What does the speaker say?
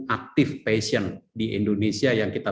aktif passion di indonesia yang kita